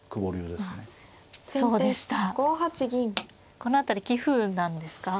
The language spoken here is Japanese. この辺り棋風なんですか。